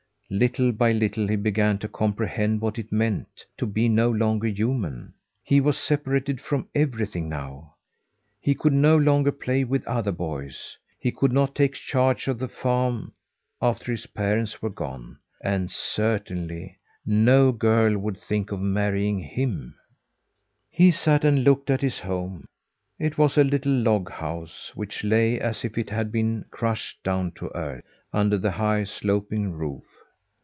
Little by little he began to comprehend what it meant to be no longer human. He was separated from everything now; he could no longer play with other boys, he could not take charge of the farm after his parents were gone; and certainly no girl would think of marrying him. He sat and looked at his home. It was a little log house, which lay as if it had been crushed down to earth, under the high, sloping roof.